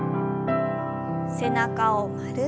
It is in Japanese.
背中を丸く。